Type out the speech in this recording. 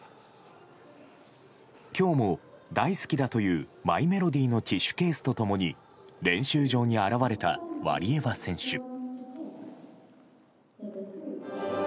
今日も大好きだというマイメロディのティッシュケースと共に練習場に現れたワリエワ選手。